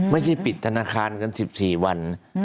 ไม่ใช่ปิดธนาคารกัน๑๔วัน